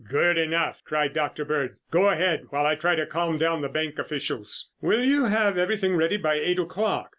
"Good enough!" cried Dr. Bird. "Go ahead while I try to calm down the bank officials. Will you have everything ready by eight o'clock?"